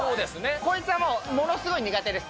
こいつはもう、ものすごい苦手です。